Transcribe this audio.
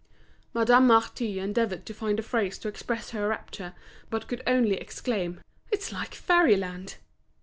Madame Marty endeavoured to find a phrase to express her rapture, but could only exclaim, "It's like fairyland!"